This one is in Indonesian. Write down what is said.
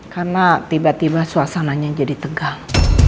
karena tiba tiba suasananya jadi tegang